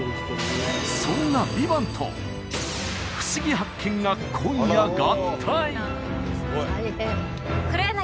そんな「ＶＩＶＡＮＴ」と「ふしぎ発見！」が今夜合体！